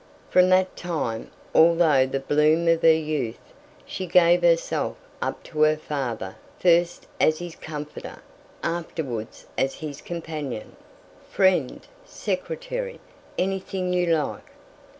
From that time all through the bloom of her youth she gave herself up to her father, first as his comforter, afterwards as his companion, friend, secretary anything you like.